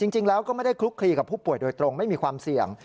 จริงแล้วก็ไม่ได้คลุกคลีกับผู้ป่วยโดยตรงไม่มีความเสี่ยง